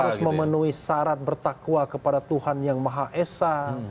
harus memenuhi syarat bertakwa kepada tuhan yang maha esa